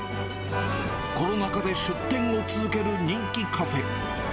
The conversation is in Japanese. コロナ禍で出店を続ける人気カフェ。